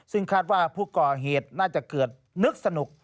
ซึ่งคาดว่าผู้ก่อเหตุน่าจะเกิดนึกสนุก